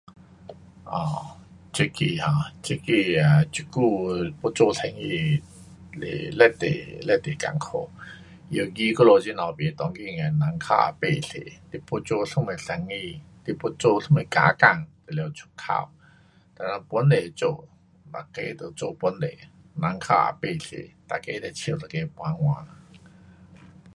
啊，这个啊这个呀，这久做生意是非常甘苦。尤其我们这边的人较不多，要做什么生意，你要做什么加工都要扣。每个都做本地，人客也不多。